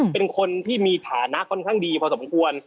เป็นคนที่มีฐานะค่อนข้างดีพอสมควร